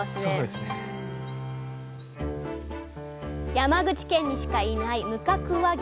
山口県にしかいない無角和牛。